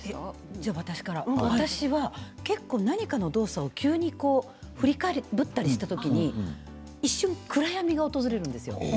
私は何かの動作を急に振りかぶった時に一瞬、暗闇が訪れるんですよ。